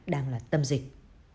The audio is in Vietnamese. đang là tâm dịch